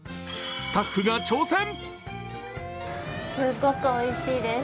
スタッフが挑戦！